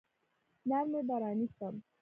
نرمي به رانیسم.